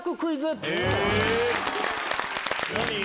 何？